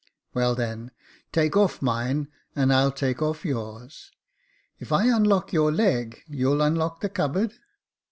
" Well, then, take off mine, and I'll take off yours." *' If I unlock your leg, you'll unlock the cupboard